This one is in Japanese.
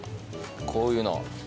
こういうの。